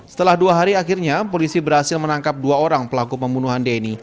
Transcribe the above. setelah dua hari akhirnya polisi berhasil menangkap dua orang pelaku pembunuhan deni